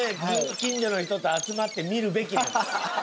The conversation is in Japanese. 近所の人と集まって見るべきなんです。